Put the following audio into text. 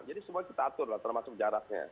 jadi semuanya kita atur lah termasuk jaraknya